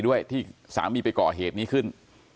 ด้วยที่สามีไปก่อเหตุนี้ขึ้น